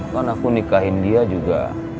kan aku nikahin dia juga